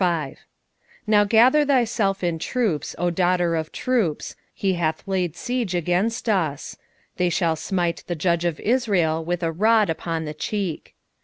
5:1 Now gather thyself in troops, O daughter of troops: he hath laid siege against us: they shall smite the judge of Israel with a rod upon the cheek.